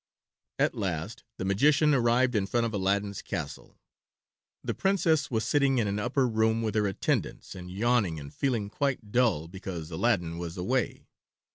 At last the magician arrived in front of Aladdin's castle. The Princess was sitting in an upper room with her attendants and yawning and feeling quite dull, because Aladdin was away.